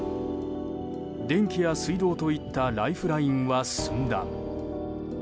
電気や水道といったライフラインは寸断。